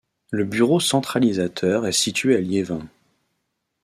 Le bureau centralisateur est situé à Liévin.